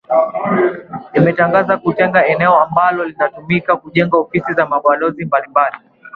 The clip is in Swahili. imetangaza kutenga eneo ambalo litatumika kujenga ofisi za balozi mbalimbali